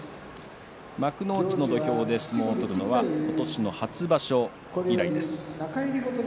幕内の土俵で相撲を取るのは今年の初場所以来です。